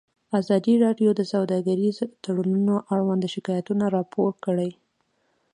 ازادي راډیو د سوداګریز تړونونه اړوند شکایتونه راپور کړي.